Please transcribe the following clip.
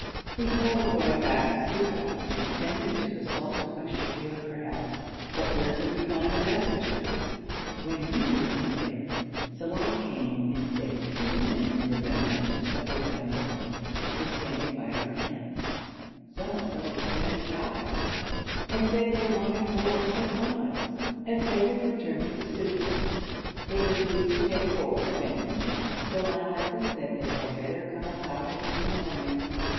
"' We thought of going back to Sufeila, and sending to the sultan of Sheher for help, but where could we find a messenger? When we were in bed, Saleh came and said two men with the matches of their guns alight were standing by our tent; some of those that had shot at us, and said they wanted four or six annas, as they were returning to Sufeila. They refused to take four then, so my husband said they had better come about it in the morning.